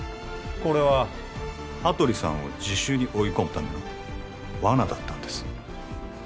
これは羽鳥さんを自首に追い込むためのワナだったんですワナ？